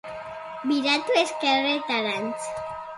Biratu ezkerretarantz.